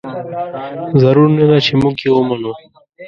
ضرور نه ده چې موږ یې ومنو.